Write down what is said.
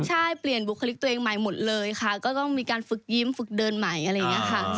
ใช่เปลี่ยนบุคลิกตัวเองใหม่หมดเลยค่ะก็ต้องมีการฝึกยิ้มฝึกเดินใหม่อะไรอย่างนี้ค่ะ